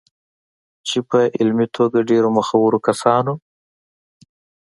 چې په علمي توګه ډېرو مخورو کسانو